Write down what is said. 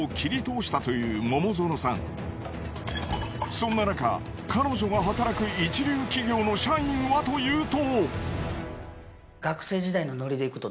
そんななか彼女が働く一流企業の社員はというと。